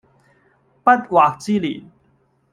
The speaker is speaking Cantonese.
不惑之年